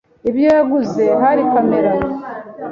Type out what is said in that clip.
Ibyo yaguze hari kamera.